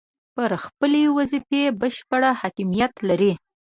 پر خپلې وظیفې بشپړ حاکمیت لري.